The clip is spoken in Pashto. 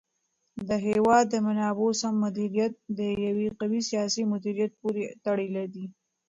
د هېواد د منابعو سم مدیریت د یو قوي سیاسي مدیریت پورې تړلی دی.